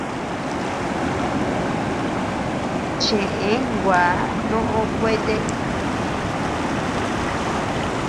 Cheʼe gua noʼo kuete.